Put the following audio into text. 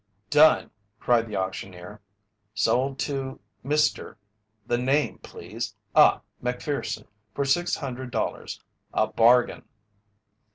"Done!" cried the auctioneer, "Sold to Mr. the name, please ah, Macpherson, for six hundred dollars A bargain!"